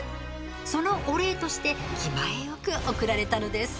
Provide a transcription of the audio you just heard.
そのお礼として気前よく贈られたのです。